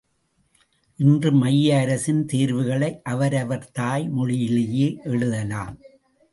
இன்று மைய அரசின் தேர்வுகளை அவரவர் தாய் மொழியிலேயே எழுதலாம்.